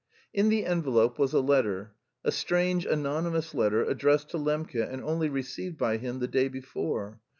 In the envelope was a letter, a strange anonymous letter addressed to Lembke and only received by him the day before.